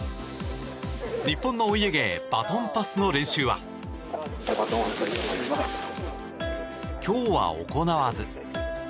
日本のお家芸バトンパスの練習は今日は行わず。